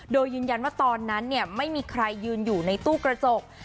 โดยยืนยันว่าตอนนั้นไม่มีใครยืนอยู่ในตู้กระจก